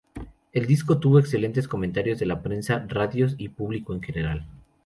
El disco tuvo excelentes comentarios de la prensa, radios y público en general.